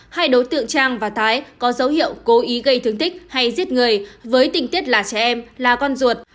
hai đối tượng trang và thái có dấu hiệu cố ý gây thương tích hay giết người với tình tiết là trẻ em là con ruột